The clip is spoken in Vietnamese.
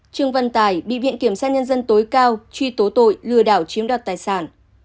trương văn tài bị viện kiểm sát nhân dân tối cao truy tố tội lừa đảo chiếm đoạt tài sản